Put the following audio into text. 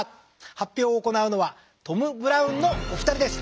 発表を行うのはトム・ブラウンのお二人です。